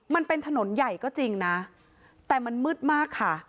มันเป็นถนนใหญ่ก็จริงนะแต่มันมืดมากค่ะ